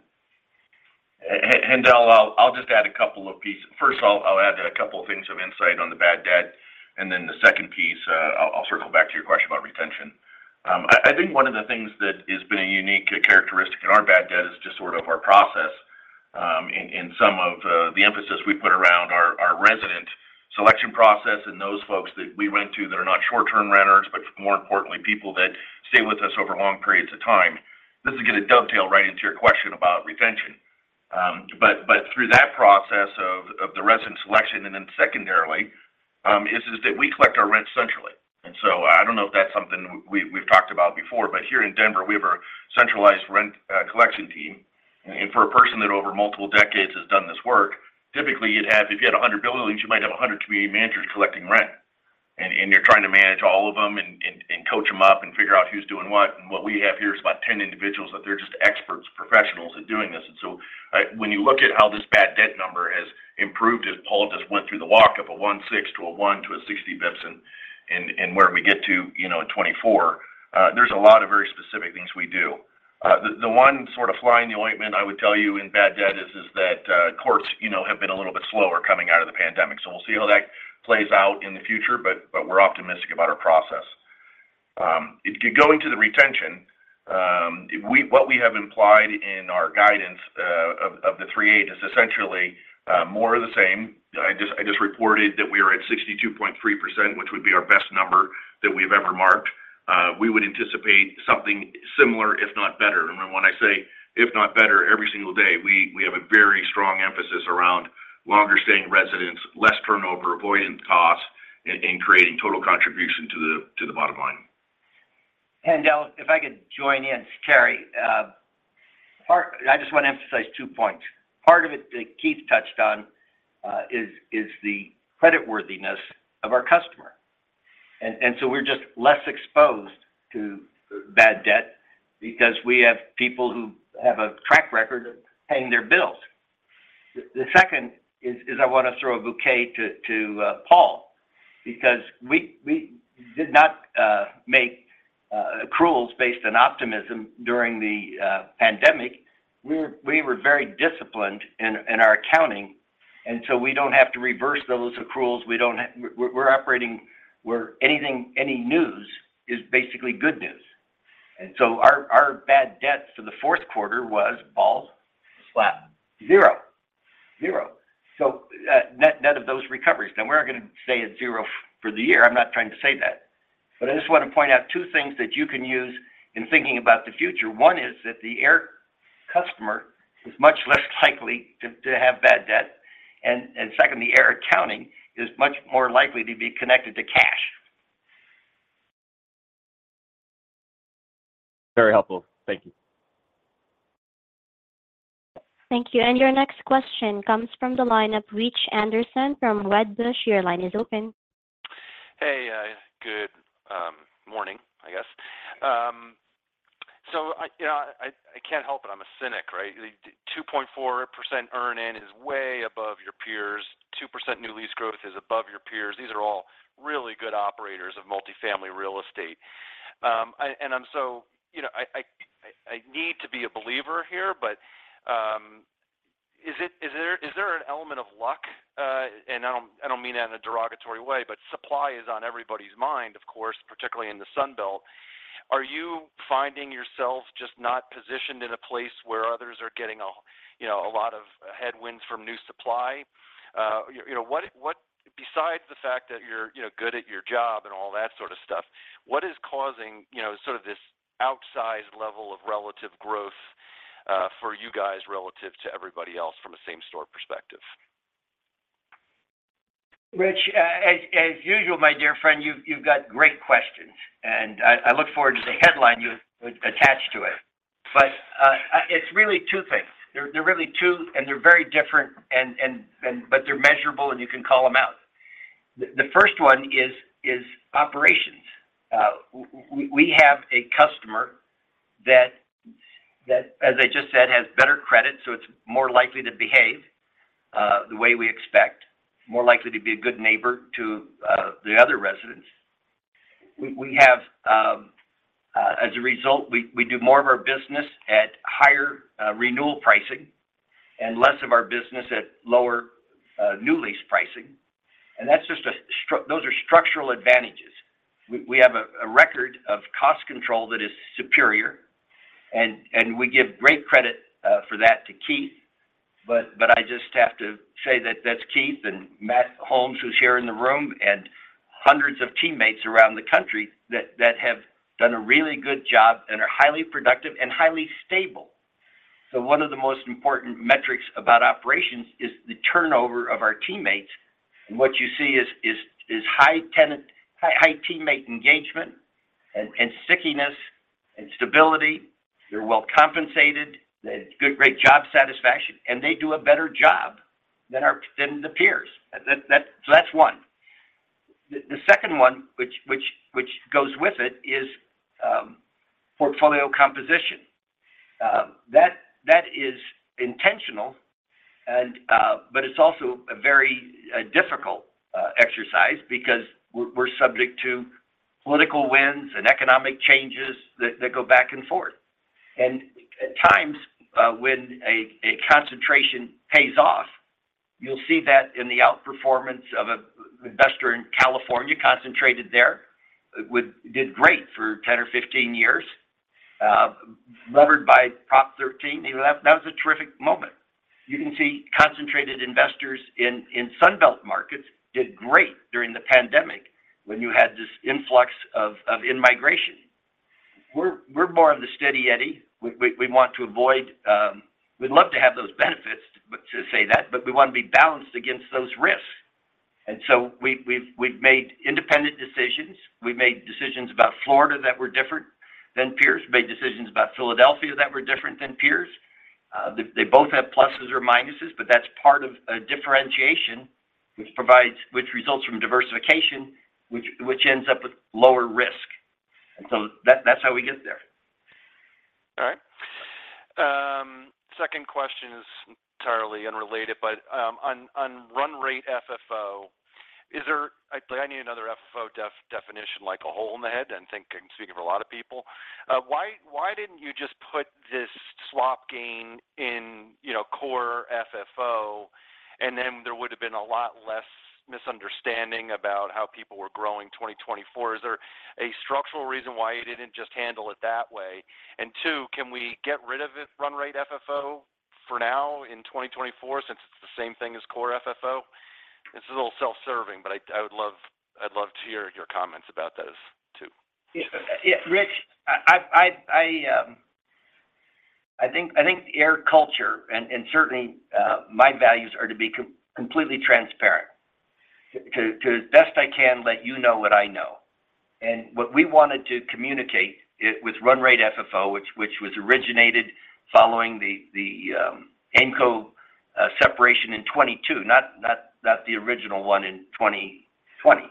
Haendel, I'll just add a couple of pieces. First, I'll add a couple of things of insight on the bad debt. And then the second piece, I'll circle back to your question about retention. I think one of the things that has been a unique characteristic in our bad debt is just sort of our process and some of the emphasis we put around our resident selection process and those folks that we rent to that are not short-term renters, but more importantly, people that stay with us over long periods of time. This is going to dovetail right into your question about retention. But through that process of the resident selection and then secondarily, is that we collect our rent centrally. And so I don't know if that's something we've talked about before, but here in Denver, we have a centralized rent collection team. For a person that over multiple decades has done this work, typically, if you had 100 buildings, you might have 100 community managers collecting rent. You're trying to manage all of them and coach them up and figure out who's doing what. What we have here is about 10 individuals that they're just experts, professionals at doing this. So when you look at how this bad debt number has improved as Paul just went through the walk of a 1.6 to a 1 to 60 basis points and where we get to in 2024, there's a lot of very specific things we do. The one sort of fly in the ointment, I would tell you, in bad debt is that courts have been a little bit slower coming out of the pandemic. So we'll see how that plays out in the future, but we're optimistic about our process. Going to the retention, what we have implied in our guidance of the 3.8 is essentially more of the same. I just reported that we are at 62.3%, which would be our best number that we have ever marked. We would anticipate something similar, if not better. And when I say if not better every single day, we have a very strong emphasis around longer-staying residents, less turnover, avoidant costs, and creating total contribution to the bottom line.
Haendel, if I could join in, Terry, I just want to emphasize two points. Part of it that Keith touched on is the creditworthiness of our customer. And so we're just less exposed to bad debt because we have people who have a track record of paying their bills. The second is I want to throw a bouquet to Paul because we did not make accruals based on optimism during the pandemic. We were very disciplined in our accounting. And so we don't have to reverse those accruals. We're operating where any news is basically good news. And so our bad debt for the fourth quarter was, Paul?
Flat.
Zero. Zero. So none of those recoveries. Now, we're not going to stay at 0 for the year. I'm not trying to say that. But I just want to point out two things that you can use in thinking about the future. One is that the AIR customer is much less likely to have bad debt. And second, the AIR accounting is much more likely to be connected to cash.
Very helpful. Thank you.
Thank you. Your next question comes from the line of Rich Anderson from Wedbush. Your line is open.
Hey. Good morning, I guess. So I can't help it. I'm a cynic, right? 2.4% earn-in is way above your peers. 2% new lease growth is above your peers. These are all really good operators of multifamily real estate. And so I need to be a believer here, but is there an element of luck? And I don't mean that in a derogatory way, but supply is on everybody's mind, of course, particularly in the Sunbelt. Are you finding yourself just not positioned in a place where others are getting a lot of headwinds from new supply? Besides the fact that you're good at your job and all that sort of stuff, what is causing sort of this outsized level of relative growth for you guys relative to everybody else from a same-store perspective?
Rich, as usual, my dear friend, you've got great questions. I look forward to the headline you attach to it. It's really two things. There are really two, and they're very different, but they're measurable, and you can call them out. The first one is operations. We have a customer that, as I just said, has better credit, so it's more likely to behave the way we expect, more likely to be a good neighbor to the other residents. As a result, we do more of our business at higher renewal pricing and less of our business at lower new lease pricing. Those are structural advantages. We have a record of cost control that is superior. We give great credit for that to Keith. But I just have to say that that's Keith and Matt Holmes, who's here in the room, and hundreds of teammates around the country that have done a really good job and are highly productive and highly stable. So one of the most important metrics about operations is the turnover of our teammates. And what you see is high teammate engagement and stickiness and stability. They're well compensated. They have great job satisfaction. And they do a better job than the peers. So that's one. The second one, which goes with it, is portfolio composition. That is intentional, but it's also a very difficult exercise because we're subject to political winds and economic changes that go back and forth. And at times, when a concentration pays off, you'll see that in the outperformance of an investor in California concentrated there. It did great for 10 or 15 years, levered by Prop 13. That was a terrific moment. You can see concentrated investors in Sunbelt markets did great during the pandemic when you had this influx of immigration. We're more of the Steady Eddie. We want to avoid. We'd love to have those benefits to say that, but we want to be balanced against those risks. And so we've made independent decisions. We've made decisions about Florida that were different than peers. We've made decisions about Philadelphia that were different than peers. They both have pluses or minuses, but that's part of a differentiation which results from diversification, which ends up with lower risk. And so that's how we get there.
All right. Second question is entirely unrelated, but on Run Rate FFO, is there? I need another FFO definition, like a hole in the head. I'm speaking for a lot of people. Why didn't you just put this swap gain in Core FFO, and then there would have been a lot less misunderstanding about how people were growing 2024? Is there a structural reason why you didn't just handle it that way? And two, can we get rid of Run Rate FFO for now in 2024 since it's the same thing as Core FFO? This is a little self-serving, but I would love to hear your comments about those too.
Rich, I think the AIR culture and certainly my values are to be completely transparent, to the best I can let you know what I know. And what we wanted to communicate with Run Rate FFO, which was originated following the Aimco separation in 2022, not the original one in 2020,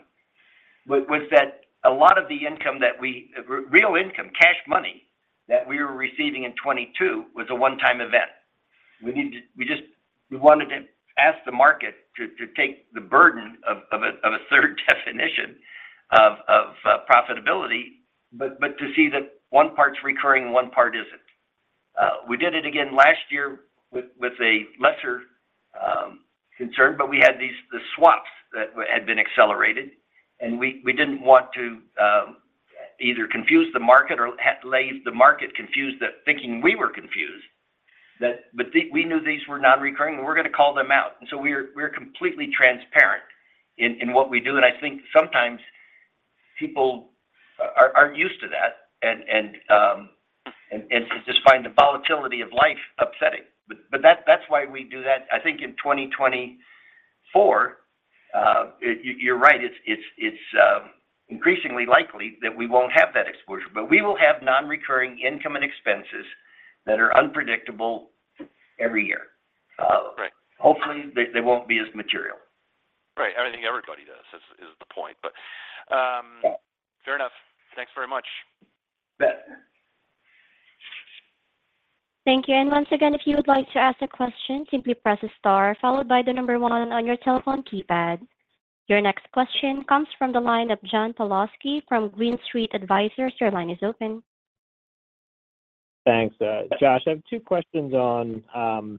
was that a lot of the income that we real income, cash money that we were receiving in 2022 was a one-time event. We just wanted to ask the market to take the burden of a third definition of profitability but to see that one part's recurring and one part isn't. We did it again last year with a lesser concern, but we had the swaps that had been accelerated. We didn't want to either confuse the market or leave the market confused thinking we were confused, but we knew these were non-recurring, and we're going to call them out. So we're completely transparent in what we do. I think sometimes people aren't used to that and just find the volatility of life upsetting. But that's why we do that. I think in 2024, you're right, it's increasingly likely that we won't have that exposure. But we will have non-recurring income and expenses that are unpredictable every year. Hopefully, they won't be as material.
Right. Everything everybody does is the point. But fair enough. Thanks very much.
You bet.
Thank you. Once again, if you would like to ask a question, simply press a star followed by the number one on your telephone keypad. Your next question comes from the line of John Pawlowski from Green Street. Your line is open.
Thanks, Josh. I have two questions on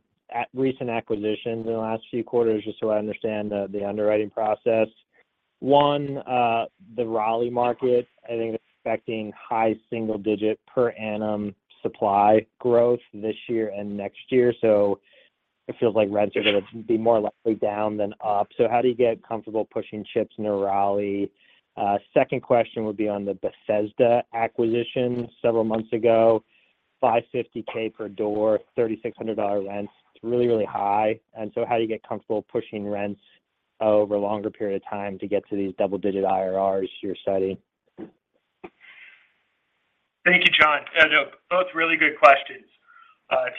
recent acquisitions in the last few quarters just so I understand the underwriting process. One, the Raleigh market, I think, is expecting high single-digit per annum supply growth this year and next year. So it feels like rents are going to be more likely down than up. So how do you get comfortable pushing chips in a Raleigh? Second question would be on the Bethesda acquisition several months ago, $550,000 per door, $3,600 rents. It's really, really high. And so how do you get comfortable pushing rents over a longer period of time to get to these double-digit IRRs you're studying?
Thank you, John. Both really good questions.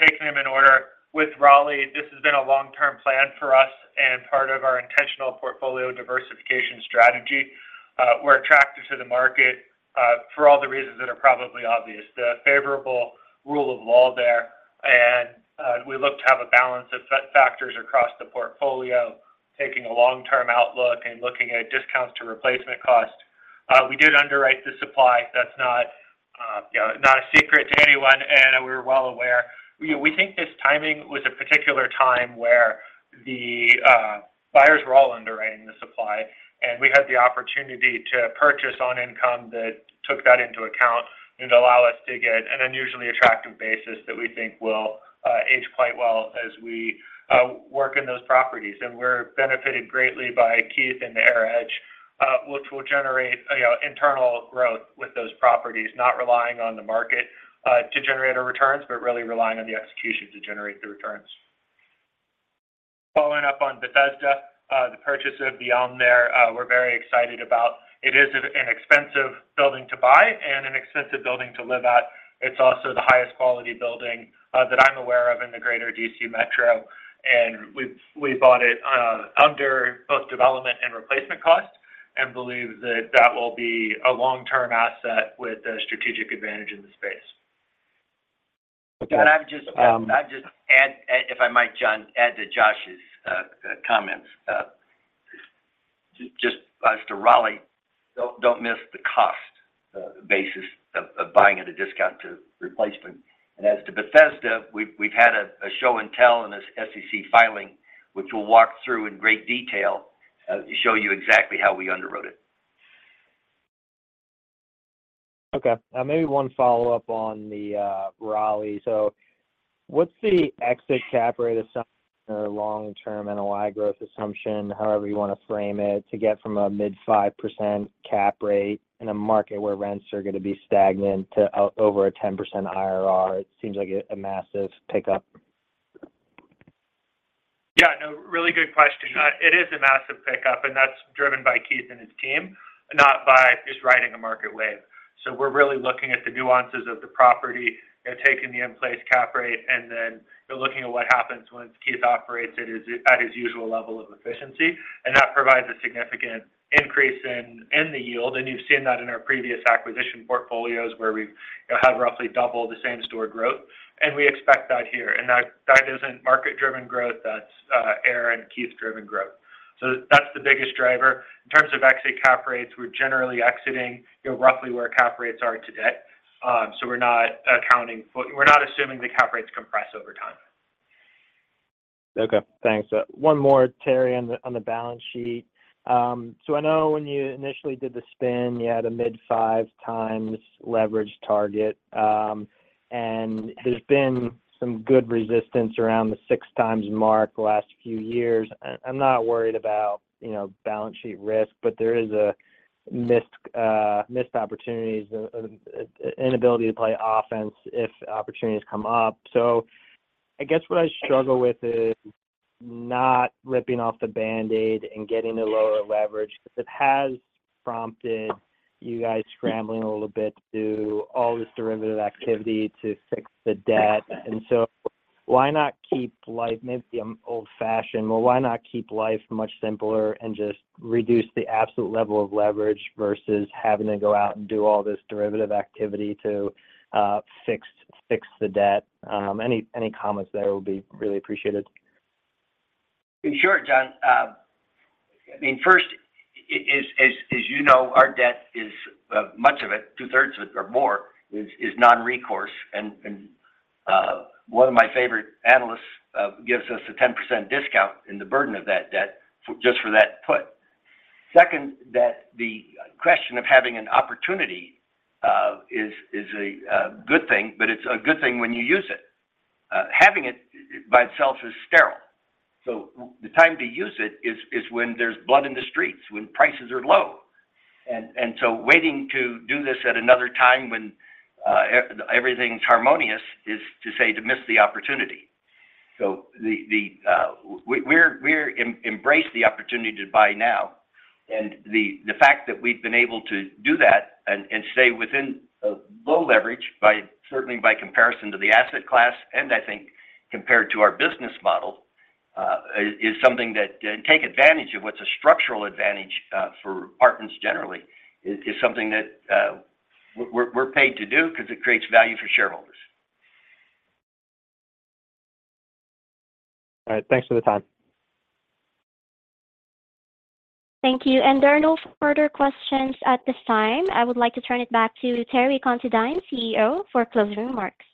Taking them in order. With Raleigh, this has been a long-term plan for us and part of our intentional portfolio diversification strategy. We're attracted to the market for all the reasons that are probably obvious, the favorable rule of law there. And we look to have a balance of factors across the portfolio, taking a long-term outlook and looking at discounts to replacement cost. We did underwrite the supply. That's not a secret to anyone, and we were well aware. We think this timing was a particular time where the buyers were all underwriting the supply. And we had the opportunity to purchase on income that took that into account and allowed us to get an unusually attractive basis that we think will age quite well as we work in those properties. We're benefited greatly by Keith and the AIR Edge, which will generate internal growth with those properties, not relying on the market to generate returns but really relying on the execution to generate the returns. Following up on Bethesda, the purchase of The Elm there, we're very excited about. It is an expensive building to buy and an expensive building to live at. It's also the highest-quality building that I'm aware of in the greater D.C. metro. We bought it under both development and replacement cost and believe that that will be a long-term asset with a strategic advantage in the space.
John, I would just add, if I might, John, add to Josh's comments. As to Raleigh, don't miss the cost basis of buying at a discount to replacement. And as to Bethesda, we've had a show and tell in this SEC filing, which we'll walk through in great detail, show you exactly how we underwrote it.
Okay. Maybe one follow-up on the Raleigh. So what's the exit cap rate assumption, or long-term NOI growth assumption, however you want to frame it, to get from a mid-5% cap rate in a market where rents are going to be stagnant to over a 10% IRR? It seems like a massive pickup.
Yeah. No, really good question. It is a massive pickup, and that's driven by Keith and his team, not by just riding a market wave. So we're really looking at the nuances of the property, taking the in-place cap rate, and then looking at what happens once Keith operates it at his usual level of efficiency. And that provides a significant increase in the yield. And you've seen that in our previous acquisition portfolios where we've had roughly double the same-store growth. And we expect that here. And that isn't market-driven growth. That's AIR and Keith-driven growth. So that's the biggest driver. In terms of exit cap rates, we're generally exiting roughly where cap rates are today. So we're not accounting for we're not assuming the cap rates compress over time.
Okay. Thanks. One more, Terry, on the balance sheet. So I know when you initially did the spin, you had a mid-5x leverage target. And there's been some good resistance around the 6x mark the last few years. I'm not worried about balance sheet risk, but there is missed opportunities, inability to play offense if opportunities come up. So I guess what I struggle with is not ripping off the Band-Aid and getting the lower leverage because it has prompted you guys scrambling a little bit to do all this derivative activity to fix the debt. And so why not keep life, maybe I'm old-fashioned. Well, why not keep life much simpler and just reduce the absolute level of leverage versus having to go out and do all this derivative activity to fix the debt? Any comments there would be really appreciated.
Sure, John. I mean, first, as you know, our debt, much of it, two-thirds of it or more, is non-recourse. One of my favorite analysts gives us a 10% discount in the burden of that debt just for that put. Second, the question of having an opportunity is a good thing, but it's a good thing when you use it. Having it by itself is sterile. The time to use it is when there's blood in the streets, when prices are low. Waiting to do this at another time when everything's harmonious is, to say, to miss the opportunity. We embrace the opportunity to buy now. The fact that we've been able to do that and stay within low leverage, certainly by comparison to the asset class and, I think, compared to our business model, is something that and take advantage of what's a structural advantage for apartments generally is something that we're paid to do because it creates value for shareholders.
All right. Thanks for the time.
Thank you. There are no further questions at this time. I would like to turn it back to Terry Considine, CEO, for closing remarks.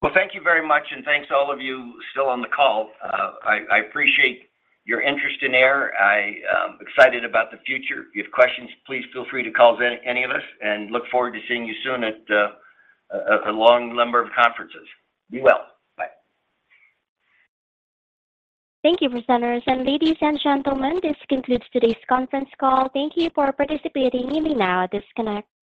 Well, thank you very much. Thanks to all of you still on the call. I appreciate your interest in AIR. I'm excited about the future. If you have questions, please feel free to call any of us. And look forward to seeing you soon at a long number of conferences. Be well. Bye.
Thank you, presenters. Ladies and gentlemen, this concludes today's conference call. Thank you for participating in the now at disconnect.